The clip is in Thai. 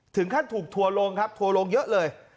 ถึงขั้นถูกทัวร์ลงครับทัวร์ลงเยอะเลย